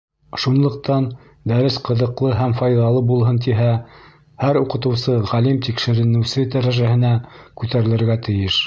Шунлыҡтан дәрес ҡыҙыҡлы һәм файҙалы булһын тиһә, һәр уҡытыусы ғалим-тикшеренеүсе дәрәжәһенә күтәрелергә тейеш.